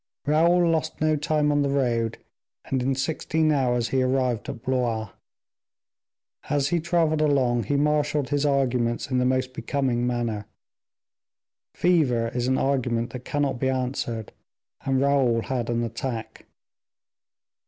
Raoul lost no time on the road, and in sixteen hours he arrived at Blois. As he traveled along, he marshaled his arguments in the most becoming manner. Fever is an argument that cannot be answered, and Raoul had an attack.